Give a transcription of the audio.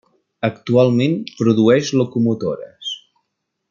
Actualment produeix locomotores.